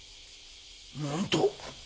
なんと！